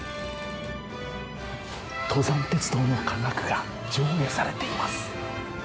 登山鉄道の科学が上映されています。